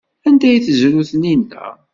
Anda ay tezrew Taninna?